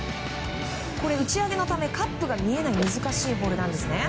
これ、打ち上げのためカップが見えない難しいホールなんです。